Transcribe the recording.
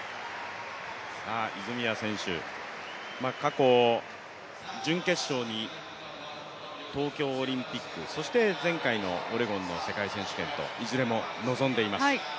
泉谷選手、過去、準決勝に東京オリンピック、そして前回のオレゴンの世界選手権といずれも臨んでいます。